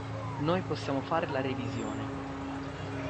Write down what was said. Noi possiamo fare la revisione.